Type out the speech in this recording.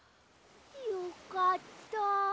よかった。